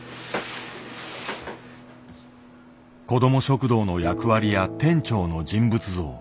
子ども食堂の役割や店長の人物像。